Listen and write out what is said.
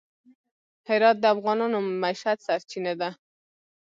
هرات د افغانانو د معیشت سرچینه ده.